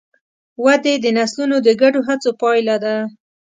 ودې د نسلونو د ګډو هڅو پایله ده.